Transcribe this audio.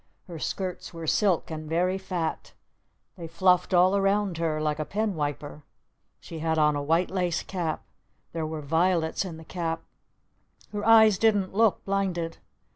Her skirts were silk and very fat. They fluffed all around her like a pen wiper. She had on a white lace cap. There were violets in the cap. Her eyes didn't look blinded.